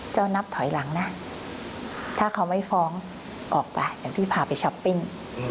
นับถอยหลังนะถ้าเขาไม่ฟ้องออกไปเดี๋ยวพี่พาไปช้อปปิ้ง